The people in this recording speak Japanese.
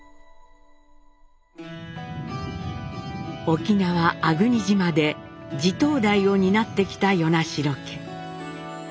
沖縄・粟国島で地頭代を担ってきた与那城家。